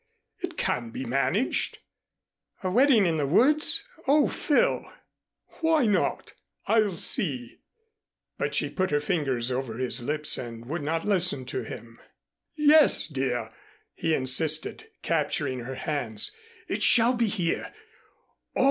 "It can be managed." "A wedding in the woods! Oh, Phil!" "Why not? I'll see " But she put her fingers over his lips and would not listen to him. "Yes, dear," he insisted, capturing her hands, "it shall be here.